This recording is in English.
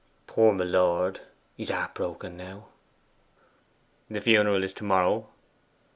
Poor my lord, he's heart broken now!' 'The funeral is to morrow?